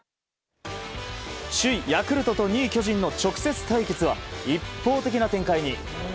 首位ヤクルトと２位、巨人の直接対決は一方的な展開に。